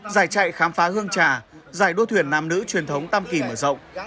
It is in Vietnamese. giải chạy khám phá hương trà giải đua thuyền nam nữ truyền thống tam kỳ mở rộng